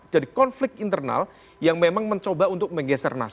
jadi konflik internal yang memang mencoba untuk menggeser nasib